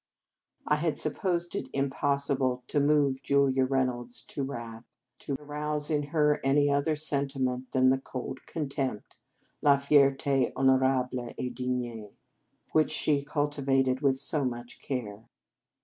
I had supposed it impossible to move Julia Reynolds to wrath, to arouse in her any other sentiment than the cold contempt, " la fierte honorable et digne," which she cul tivated with so much care.